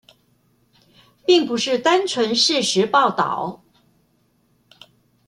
並不是單純事實報導